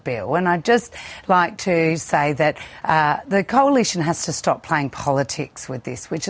ini konsep yang cukup sederhana